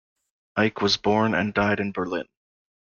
Eicke was born and died in Berlin.